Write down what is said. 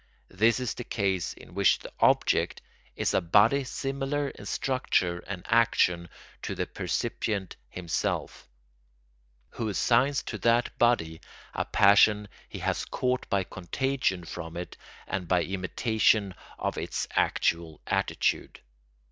This is the case in which the object is a body similar in structure and action to the percipient himself, who assigns to that body a passion he has caught by contagion from it and by imitation of its actual attitude.